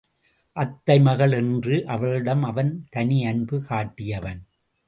அத்தை மகள் என்று அவளிடம் அவன் தனி அன்பு காட்டியவன்.